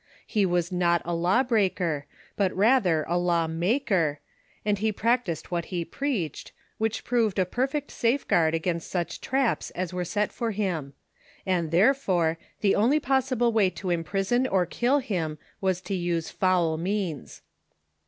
He was not a law breaker, but rather a law maker, and he practised what he preached, which proved a perfect safeguard against such traps as were set for him ; and, therefore, the only possible way to imprison or kill him was to use foul means.